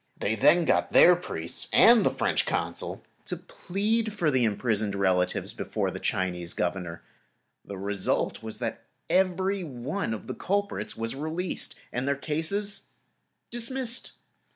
They then got their priests and the French Consul to plead for their imprisoned relatives before the Chinese Governor. The result was that every one of the culprits was released and the cases dismissed.